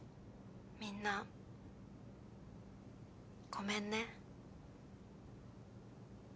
みんなごめんね。